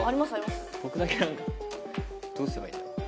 僕だけ何かどうすればいいんだろう？